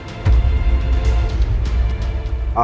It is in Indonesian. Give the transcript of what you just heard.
aku mau ke rumah